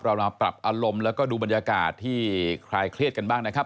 เรามาปรับอารมณ์แล้วก็ดูบรรยากาศที่คลายเครียดกันบ้างนะครับ